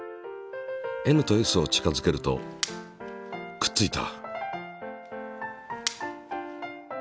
ＮとＳを近づけるとくっついた。